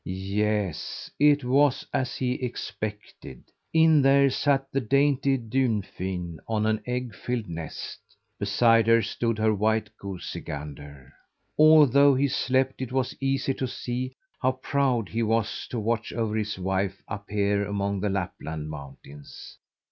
Yes, it was as he expected. In there sat the dainty Dunfin on an egg filled nest. Beside her stood her white goosey gander. Although he slept, it was easy to see how proud he was to watch over his wife up here among the Lapland mountains.